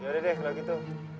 ya udah deh kalau gitu